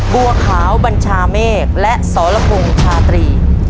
บัวขาวบัญชาเมฆและสรพงศ์ชาตรี